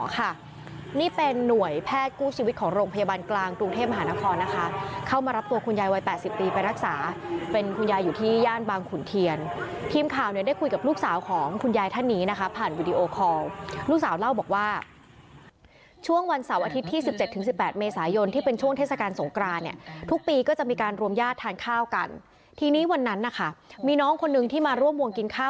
คุณหมอค่ะนี่เป็นหน่วยแพทย์กู้ชีวิตของโรงพยาบาลกลางตรงเทพมหานครนะคะเข้ามารับตัวคุณยายวัย๘๐ปีไปรักษาเป็นคุณยายอยู่ที่ย่านบางขุนเทียนทีมข่าวเนี่ยได้คุยกับลูกสาวของคุณยายท่านนี้นะคะผ่านวิดีโอคอลลูกสาวเล่าบอกว่าช่วงวันเสาร์อาทิตย์ที่๑๗ถึง๑๘เมษายนที่เป็นช่วงเทศกาลสงกรา